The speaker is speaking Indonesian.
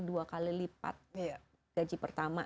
dua kali lipat gaji pertama